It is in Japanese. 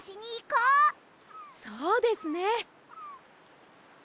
そうですね！